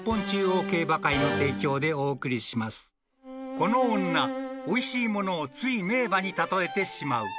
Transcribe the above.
［この女おいしいものをつい名馬に例えてしまう］